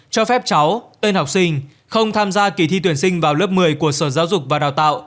cho phép cháu tên học sinh không tham gia kỳ thi tuyển sinh vào lớp một mươi của sở giáo dục và đào tạo